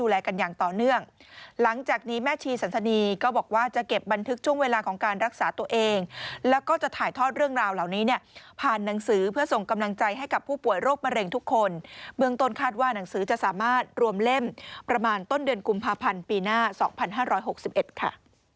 แล้วก็จะถ่ายทอดเรื่องราวเหล่านี้เนี่ยผ่านหนังสือเพื่อส่งกำลังใจให้กับผู้ป่วยโรคมะเร็งทุกคนเบื้องต้นคาดว่าหนังสือจะสามารถรวมเล่มประมาณต้นเดือนกุมภาพันธ์ปีหน้า๒๕๖๑ค่ะ